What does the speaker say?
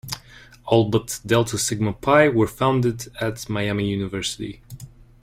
All but Delta Sigma Pi were founded at Miami University.